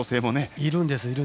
いるんです。